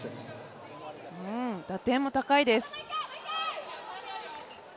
打点も高いです。